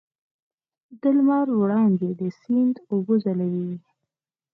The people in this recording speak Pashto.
د لمر وړانګې د سیند اوبه ځلوي.